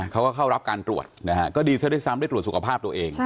เขาก็เข้ารับการตรวจนะฮะก็ดีซะด้วยซ้ำได้ตรวจสุขภาพตัวเอง